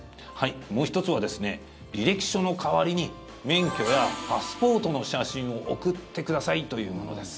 もう１つは履歴書の代わりに免許やパスポートの写真を送ってくださいというものです。